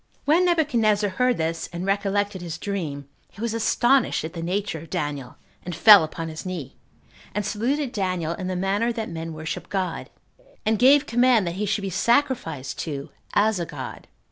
5. When Nebuchadnezzar heard this, and recollected his dream, he was astonished at the nature of Daniel, and fell upon his knee; and saluted Daniel in the manner that men worship God, and gave command that he should be sacrificed to as a god.